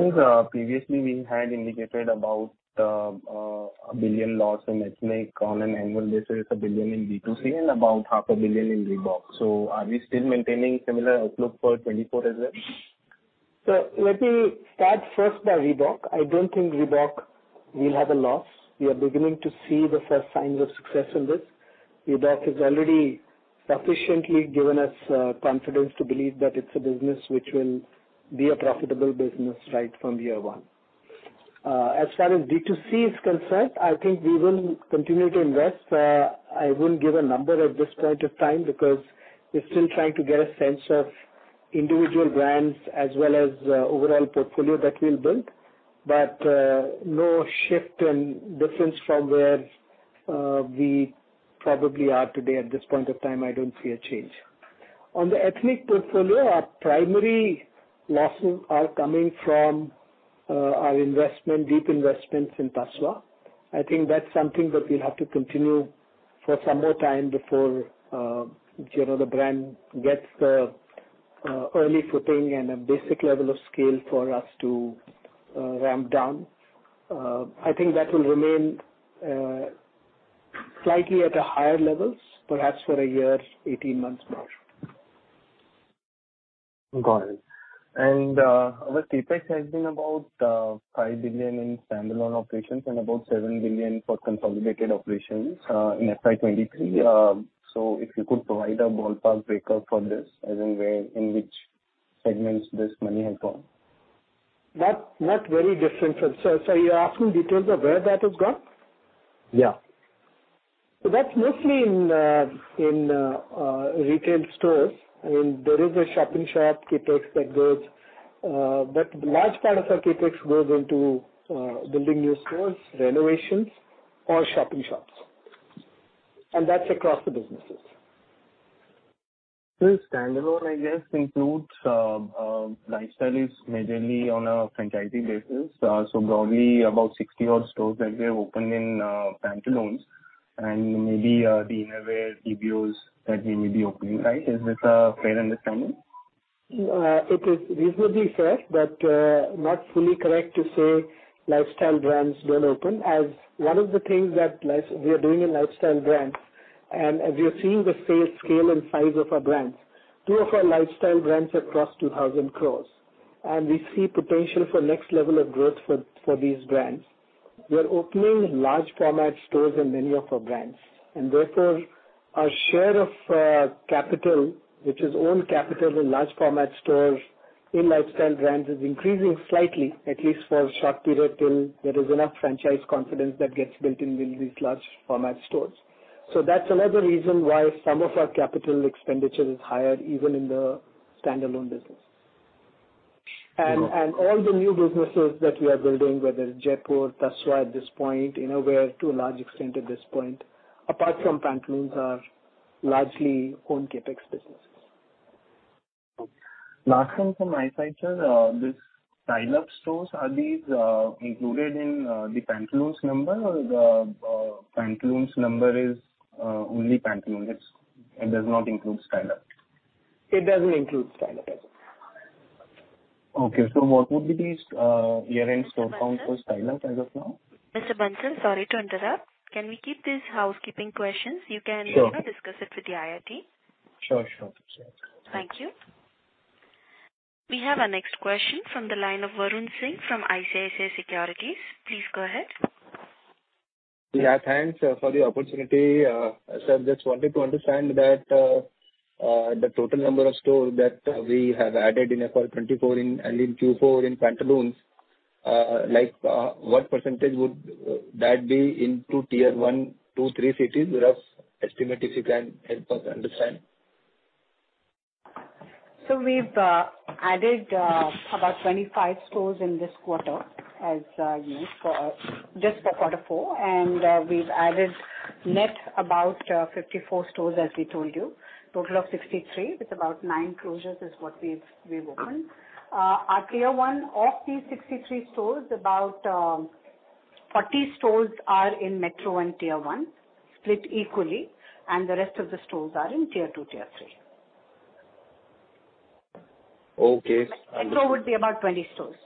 previously we had indicated about, an 1 billion loss in ethnic on an annual basis, 1 billion in D2C and about half a billion in Reebok. Are we still maintaining similar outlook for 2024 as well? Let me start first by Reebok. I don't think Reebok will have a loss. We are beginning to see the first signs of success in this. Reebok has already sufficiently given us confidence to believe that it's a business which will be a profitable business right from year one. As far as D2C is concerned, I think we will continue to invest. I won't give a number at this point of time because we're still trying to get a sense of individual brands as well as overall portfolio that we'll build. No shift in difference from where we probably are today. At this point of time, I don't see a change. On the ethnic portfolio, our primary losses are coming from our investment, deep investments in Tasva. I think that's something that we'll have to continue for some more time before, you know, the brand gets the early footing and a basic level of scale for us to ramp down. I think that will remain slightly at a higher levels, perhaps for a year, 18 months more. Got it. Our CapEx has been about 5 billion in standalone operations and about 7 billion for consolidated operations in FY 2023. If you could provide a ballpark breakout for this, as in which segments this money has gone. Not very different from... Sir, you're asking details of where that has gone? Yeah. That's mostly in retail stores. I mean, there is a shop-in-shop CapEx that goes, but large part of our CapEx goes into building new stores, renovations or shop-in-shops, and that's across the businesses. Sir, standalone, I guess, includes, Lifestyle Brands is majorly on a franchising basis. Probably about 60-odd stores that we have opened in Pantaloons and maybe the Innerwear GBOs that we may be opening, right? Is this a fair understanding? It is reasonably fair, but not fully correct to say Lifestyle Brands don't open. As one of the things that we are doing in Lifestyle Brands, and as you have seen the sale, scale and size of our brands, two of our Lifestyle Brands have crossed 2,000 crore, and we see potential for next level of growth for these brands. We are opening large format stores in many of our brands, and therefore, our share of capital, which is own capital in large format stores in Lifestyle Brands, is increasing slightly, at least for a short period, till there is enough franchise confidence that gets built in these large format stores. That's another reason why some of our capital expenditure is higher, even in the standalone business. Okay. All the new businesses that we are building, whether Jaypore, Tasva at this point, innerwear to a large extent at this point, apart from Pantaloons, are largely own CapEx businesses. Last one from my side, sir. These Style Up stores, are these included in the Pantaloons number? The Pantaloons number is only Pantaloons. It does not include Style Up? It doesn't include Style Up as well. Okay. What would be these year-end store counts for Style Up as of now? Mr. Bansal, sorry to interrupt. Can we keep these housekeeping questions? Sure. you know, discuss it with the IRT. Sure. Sure. Thank you. We have our next question from the line of Varun Singh from ICICI Securities. Please go ahead. Thanks for the opportunity. Sir, just wanted to understand that the total number of stores that we have added in FY 2024 in and in Q4 in Pantaloons, like, what percentage would that be into Tier 1, 2, 3 cities? Rough estimate if you can help us understand. We've added about 25 stores in this quarter as, you know, for, just for quarter four. We've added net about 54 stores, as we told you. Total of 63. With about 9 closures is what we've opened. Our tier one of these 63 stores, about 40 stores are in metro and tier one, split equally, and the rest of the stores are in tier two, tier three. Okay. Metro would be about 20 stores.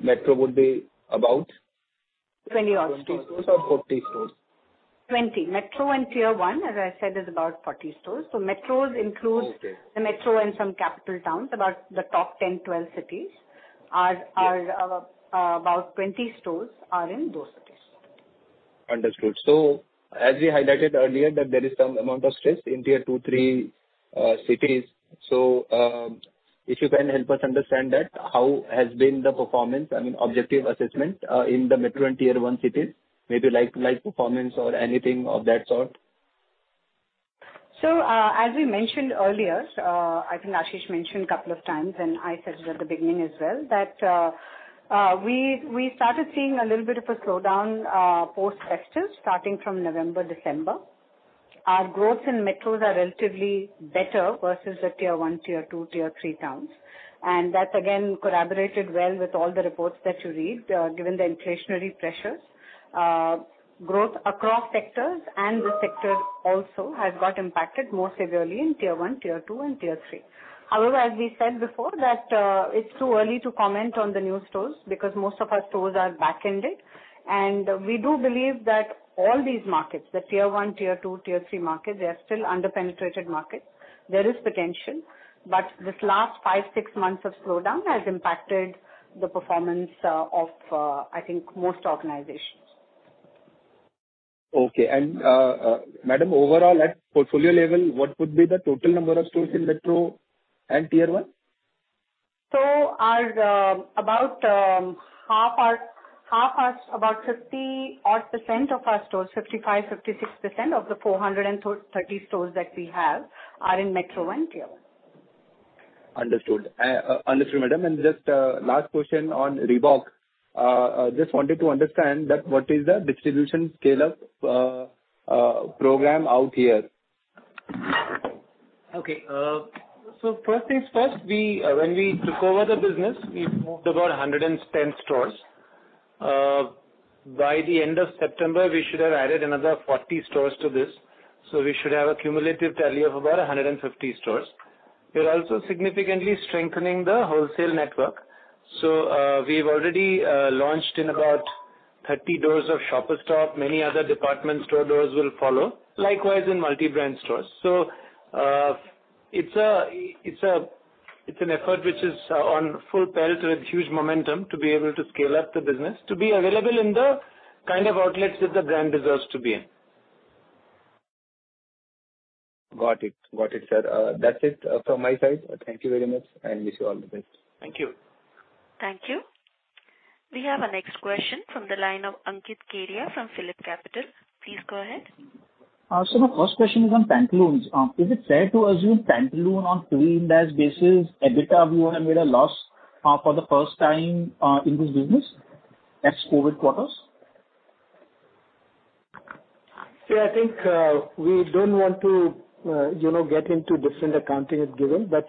Metro would be about? 20 odd stores. 20 stores or 40 stores? 20. Metro and tier one, as I said, is about 40 stores. Metros includes. Okay. the metro and some capital towns. About the top 10, 12 cities are about 20 stores are in those cities. Understood. As we highlighted earlier, that there is some amount of stress in tier two, three cities. If you can help us understand that, how has been the performance, I mean objective assessment, in the metro and tier one cities, maybe like performance or anything of that sort? As we mentioned earlier, I think Ashish mentioned 2x, and I said it at the beginning as well, that we started seeing a little bit of a slowdown post-festive starting from November, December. Our growth in metros are relatively better versus the tier one, tier two, tier three towns. That's again corroborated well with all the reports that you read, given the inflationary pressures. Growth across sectors and this sector also has got impacted more severely in tier one, tier two and tier three. However, as we said before that, it's too early to comment on the new stores because most of our stores are back-ended. We do believe that all these markets, the tier one, tier two, tier three markets, they are still under-penetrated markets. There is potential, but this last five, six months of slowdown has impacted the performance, of, I think most organizations. Okay. madam, overall at portfolio level, what would be the total number of stores in metro and tier one? Our about 50 odd % of our stores, 55-56% of the 430 stores that we have are in metro and tier one. Understood. Understood, madam. Just last question on Reebok. Just wanted to understand that what is the distribution scaleup program out here? Okay. First things first, when we took over the business, we moved about 110 stores. By the end of September, we should have added another 40 stores to this. We should have a cumulative tally of about 150 stores. We're also significantly strengthening the wholesale network. We've already launched in about 30 doors of Shoppers Stop. Many other department store doors will follow. Likewise in multi-brand stores. It's an effort which is on full pelt with huge momentum to be able to scale up the business to be available in the kind of outlets that the brand deserves to be in. Got it. Got it, sir. That's it, from my side. Thank you very much. Wish you all the best. Thank you. Thank you. We have our next question from the line of Ankit Kedia from PhillipCapital. Please go ahead. My first question is on Pantaloons. Is it fair to assume Pantaloons on 3-year basis, EBITDA, we would have made a loss for the first time in this business, ex COVID quarters? Yeah, I think, we don't want to, you know, get into different accounting at given, but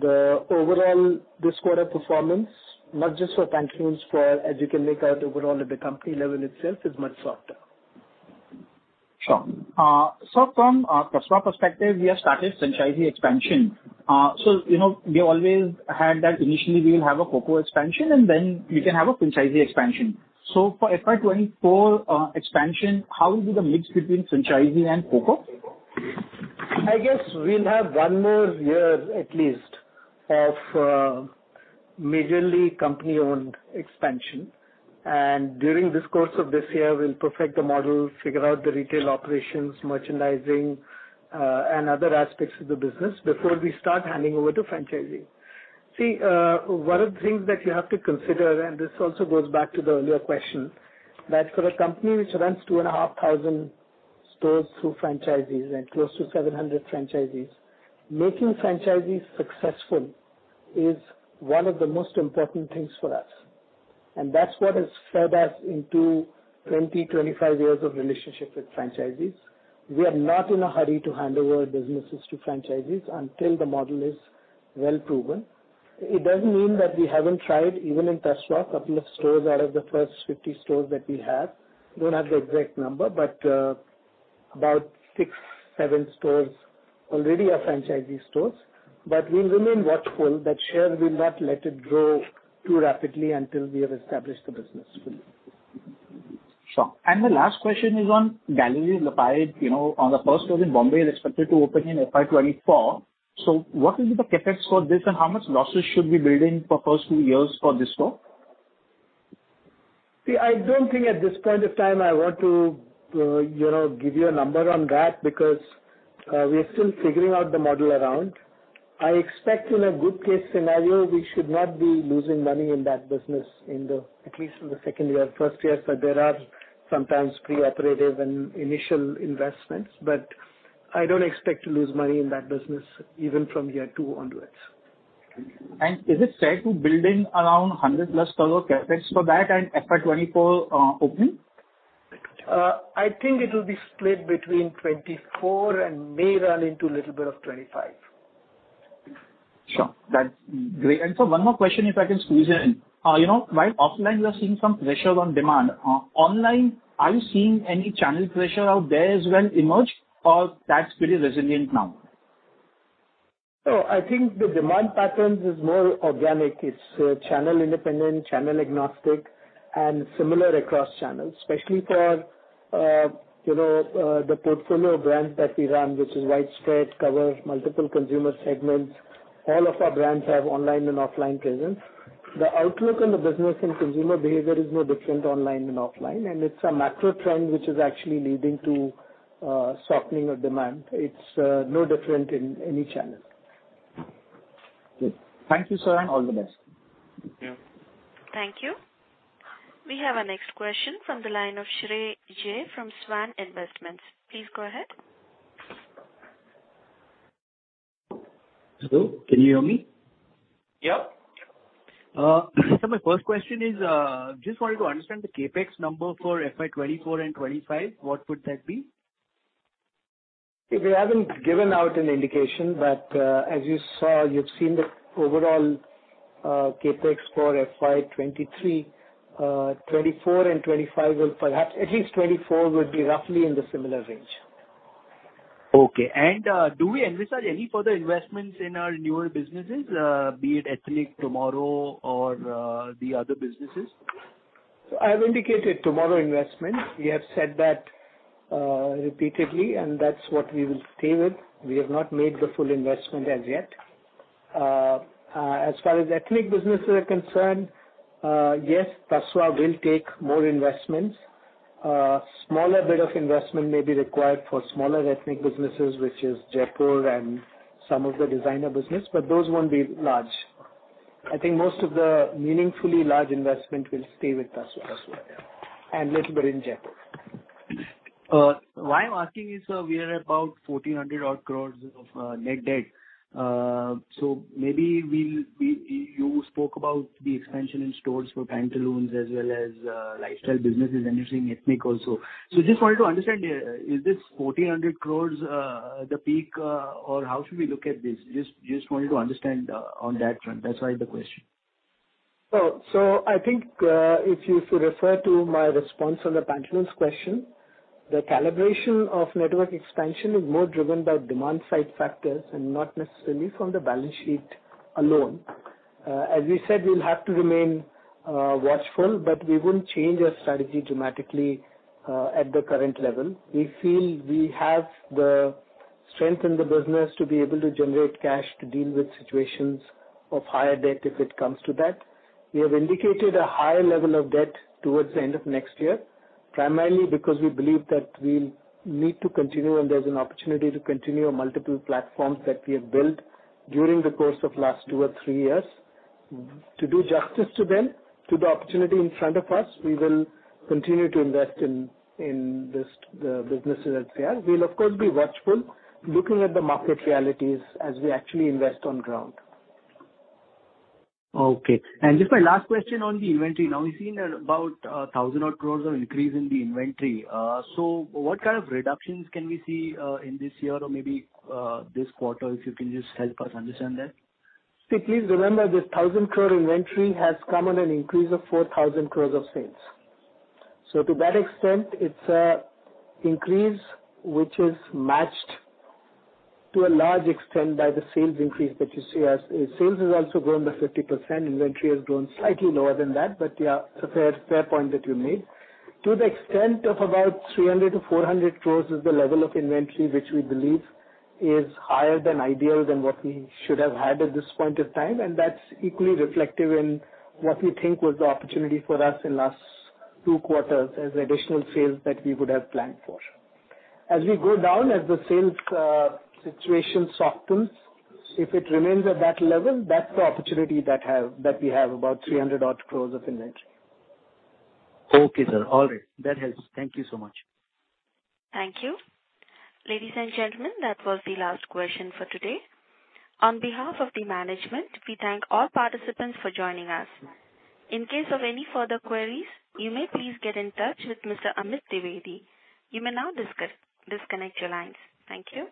yeah, the overall this quarter performance, not just for Pantaloons, for as you can make out overall at the company level itself is much softer. Sure. From a customer perspective, we have started franchisee expansion. You know, we always had that initially we will have a CoCo expansion and then we can have a franchisee expansion. For FY 2024 expansion, how will be the mix between franchisee and CoCo? I guess we'll have 1 more year at least of majorly company-owned expansion. During this course of this year we'll perfect the model, figure out the retail operations, merchandising, and other aspects of the business before we start handing over to franchising. One of the things that you have to consider, and this also goes back to the earlier question, that for a company which runs 2,500 stores through franchisees and close to 700 franchisees, making franchisees successful is one of the most important things for us. That's what has fed us into 20-25 years of relationship with franchisees. We are not in a hurry to hand over our businesses to franchisees until the model is Well proven. It doesn't mean that we haven't tried even in Tasva. Couple of stores out of the first 50 stores that we have. Don't have the exact number, but about 6, 7 stores already are franchisee stores. We'll remain watchful that sure we'll not let it grow too rapidly until we have established the business fully. Sure. The last question is Galeries Lafayette. you know, on the first store in Bombay is expected to open in FY 2024. What will be the CapEx for this, and how much losses should we build in for first 2 years for this store? See, I don't think at this point of time I want to, you know, give you a number on that because we are still figuring out the model around. I expect in a good case scenario, we should not be losing money in that business at least in the second year, first year. There are sometimes pre-operative and initial investments. I don't expect to lose money in that business even from year two onwards. Is it safe to build in around 100 plus crore CapEx for that and FY 2024 open? I think it'll be split between 2024 and may run into little bit of 2025. Sure. That's great. Sir, one more question if I can squeeze it in. You know, while offline we are seeing some pressure on demand, online, are you seeing any channel pressure out there as well emerge or that's pretty resilient now? I think the demand patterns is more organic. It's channel independent, channel agnostic and similar across channels, especially for, you know, the portfolio of brands that we run, which is widespread, covers multiple consumer segments. All of our brands have online and offline presence. The outlook on the business and consumer behavior is no different online and offline. It's a macro trend which is actually leading to softening of demand. It's no different in any channel. Good. Thank you, sir, and all the best. Yeah. Thank you. We have our next question from the line of Shreyans Jain from Swan Investments. Please go ahead. Hello, can you hear me? Yep. my first question is, just wanted to understand the CapEx number for FY 24 and 25, what would that be? We haven't given out an indication, but, as you saw, you've seen the overall, CapEx for FY 23. 24 and 25 will perhaps, at least 24 would be roughly in the similar range. Okay. Do we envisage any further investments in our newer businesses, be it Ethnic, TMRW or the other businesses? I have indicated TMRW investments. We have said that repeatedly, and that's what we will stay with. We have not made the full investment as yet. As far as ethnic businesses are concerned, yes, Tasva will take more investments. A smaller bit of investment may be required for smaller ethnic businesses, which is Jaypore and some of the designer business, but those won't be large. I think most of the meaningfully large investment will stay with Tasva. Little bit in Jaypore. Why I'm asking is, sir, we are about 1,400 odd crores of net debt. Maybe you spoke about the expansion in stores for Pantaloons as well as lifestyle businesses and you're seeing Ethnic also. Just wanted to understand, is this 1,400 odd crores the peak, or how should we look at this? Just wanted to understand on that front. That's why the question. I think, if you refer to my response on the Pantaloons question, the calibration of network expansion is more driven by demand side factors and not necessarily from the balance sheet alone. As we said, we'll have to remain watchful, but we won't change our strategy dramatically at the current level. We feel we have the strength in the business to be able to generate cash to deal with situations of higher debt if it comes to that. We have indicated a higher level of debt towards the end of next year, primarily because we believe that we need to continue and there's an opportunity to continue on multiple platforms that we have built during the course of last two or three years. To do justice to them, to the opportunity in front of us, we will continue to invest in this, the businesses as they are. We'll of course be watchful looking at the market realities as we actually invest on ground. Okay. Just my last question on the inventory. Now we've seen about, 1,000 odd crores of increase in the inventory. What kind of reductions can we see, in this year or maybe, this quarter? If you can just help us understand that. Please remember this 1,000 crore inventory has come on an increase of 4,000 crores of sales. To that extent, it's increase which is matched to a large extent by the sales increase that you see. Sales has also grown by 50%, inventory has grown slightly lower than that. Yeah, it's a fair point that you made. To the extent of about 300-400 crores is the level of inventory which we believe is higher than ideal than what we should have had at this point of time. That's equally reflective in what we think was the opportunity for us in last two quarters as additional sales that we would have planned for. As we go down, as the sales situation softens, if it remains at that level, that's the opportunity that have... that we have, about 300 odd crores of inventory. Okay, sir. All right. That helps. Thank you so much. Thank you. Ladies and gentlemen, that was the last question for today. On behalf of the management, we thank all participants for joining us. In case of any further queries, you may please get in touch with Mr. Amit Dwivedi. You may now disconnect your lines. Thank you.